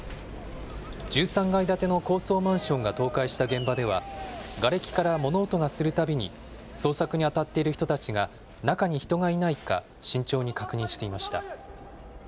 １３階建ての高層マンションが倒壊した現場では、がれきから物音がするたびに、捜索に当たっている人たちが中に人がいないか、慎重に確認していました。